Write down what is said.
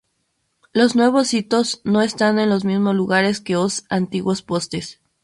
Los nuevos hitos no están en los mismos lugares que os antiguos postes.